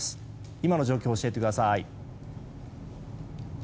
今の状況を教えてください。